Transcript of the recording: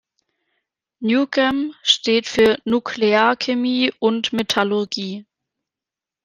Nukem steht für Nuklear-Chemie und Metallurgie.